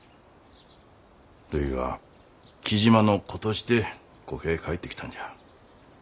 るいは雉真の子としてこけえ帰ってきたんじゃ。